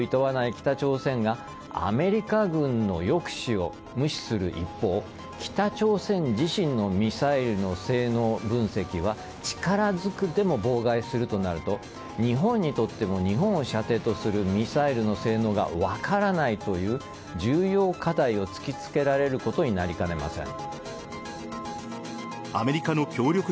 北朝鮮がアメリカ軍の抑止を無視する一方北朝鮮自身のミサイルの性能分析は力ずくでも妨害するとなると日本にとっても日本を射程とするミサイルの性能が分からないという重要課題を突きつけられることになりかねません。